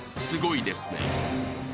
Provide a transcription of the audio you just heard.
すごいですね］